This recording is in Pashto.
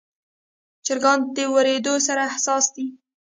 چرګان د وریدو سره حساس دي.